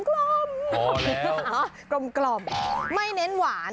ไหมเนี่ยกลมไม่เน้นหวานนะ